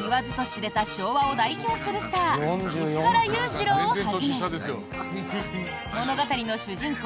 言わずと知れた昭和を代表するスター石原裕次郎をはじめ物語の主人公